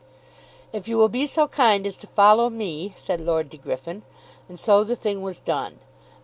"If you will be so kind as to follow me," said Lord De Griffin. And so the thing was done.